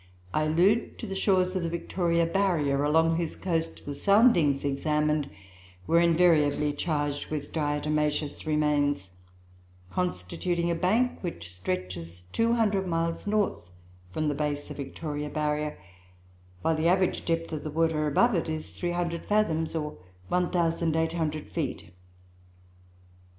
I allude to the shores of the Victoria Barrier, along whose coast the soundings examined were invariably charged with diatomaceous remains, constituting a bank which stretches 200 miles north from the base of Victoria Barrier, while the average depth of water above it is 300 fathoms, or 1,800 feet.